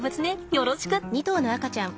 よろしく。